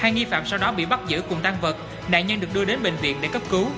hai nghi phạm sau đó bị bắt giữ cùng tan vật nạn nhân được đưa đến bệnh viện để cấp cứu